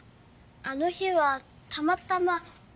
あの日はたまたま。